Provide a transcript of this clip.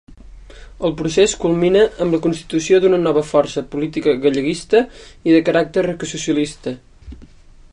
El procés culmina amb la constitució d'una nova força política galleguista i de caràcter ecosocialista.